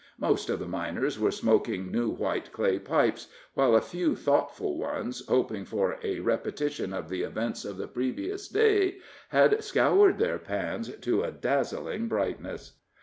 Most of the miners were smoking new white clay pipes, while a few thoughtful ones, hoping for a repetition of the events of the previous day, had scoured their pans to a dazzling brightness.